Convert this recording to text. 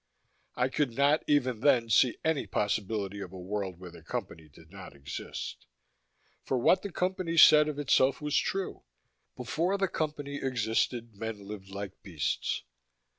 I could not, even then, see any possibility of a world where the Company did not exist. For what the Company said of itself was true: Before the Company existed, men lived like beasts.